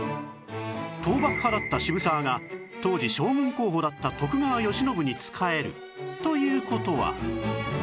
倒幕派だった渋沢が当時将軍候補だった徳川慶喜に仕えるという事は